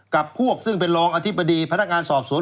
กับพวกซึ่งเป็นรองอธิบดีพนักงานสอบสวน